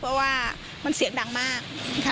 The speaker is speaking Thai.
เพราะว่ามันเสียงดังมากค่ะ